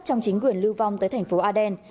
trong chính quyền lưu vong tới thành phố aden